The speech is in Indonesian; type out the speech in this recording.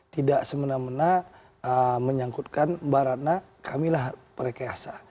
tidak semena mena menyangkutkan mbak ratna kamilah perekasa